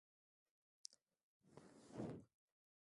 kwa hiyo mwezi desemba mawaziri walipatana kule